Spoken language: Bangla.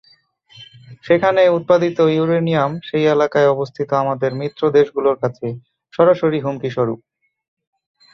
সেখানে উৎপাদিত ইউরেনিয়াম সেই এলাকায় অবস্থিত আমাদের মিত্র দেশগুলোর কাছে সরাসরি হুমকিস্বরূপ।